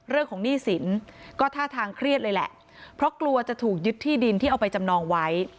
หนี้สินก็ท่าทางเครียดเลยแหละเพราะกลัวจะถูกยึดที่ดินที่เอาไปจำนองไว้